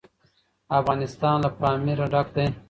افغانستان له پامیر ډک دی.